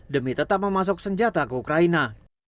demi tetap memasuk senjata ke ukraina